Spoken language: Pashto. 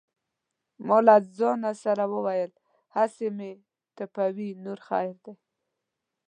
ما له ځانه سره وویل: هسې مې ټپوي نور خیر دی.